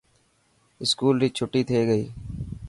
اسڪول ري ڇٽي ٿي گئي.